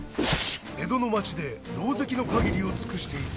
江戸の街でろうぜきの限りを尽くしていた。